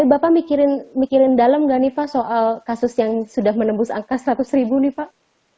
bapak mikirin dalam nggak nih pak soal kasus yang sudah menembus angka seratus ribu nih pak